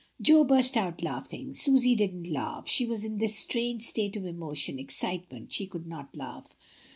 Jo burst out laughing. Susy didn't laugh; she was in this strange state of emotion, excitement, she could not laugh.